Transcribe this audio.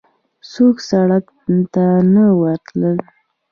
څوک سړک ته نه وتل.